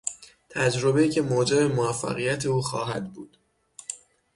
تجربهای که موجب موفقیت او خواهد بود